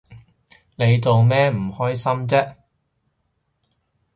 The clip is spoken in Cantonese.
你做咩唔開心啫